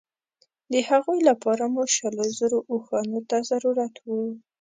د هغوی لپاره مو شلو زرو اوښانو ته ضرورت وو.